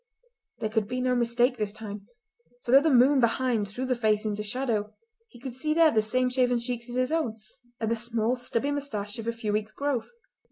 There could be no mistake this time, for though the moon behind threw the face into shadow he could see there the same shaven cheeks as his own, and the small stubby moustache of a few weeks' growth.